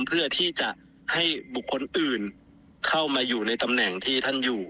เพื่อที่จะให้บุคคลอื่นเข้ามาอยู่ในตำแหน่งที่ท่านอยู่